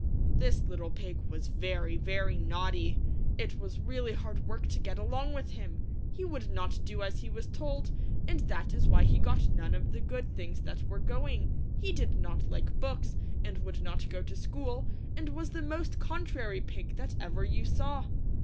This little pig was very, very naughty It was really hard work to get along witl him. He would not do as he was told, and that is why he got none of the good things that were going. He did not like books, and would not go to school, and was the most contrary pig that ever you saw.